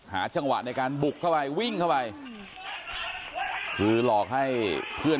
หาจังหวะในการบุ้กเข้าไหววิงเข้าไหว